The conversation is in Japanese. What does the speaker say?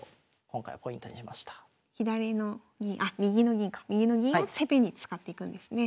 左の銀あっ右の銀か右の銀を攻めに使っていくんですね。